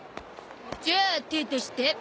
じゃあ手出して。